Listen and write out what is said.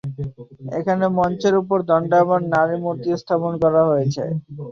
এখানে মঞ্চের ওপর দণ্ডায়মান নারী মূর্তি স্থাপন করা হয়েছে।